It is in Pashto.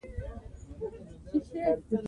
ژمی د افغانستان د اوږدمهاله پایښت لپاره مهم رول لري.